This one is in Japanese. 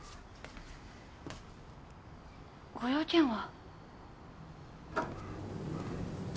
ご用件は？